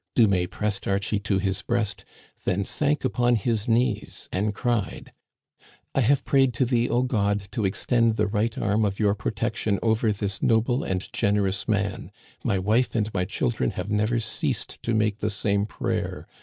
Dumais pressed Archie to his breast, then sank upon his knees and cried : Digitized by VjOOQIC A NIGHT AMONG THE SA IMAGES. 193 " I have prayed to thee, O God, to extend the right arm of your protection over this noble and generous man. My wife and my children have never ceased to make the same prayer.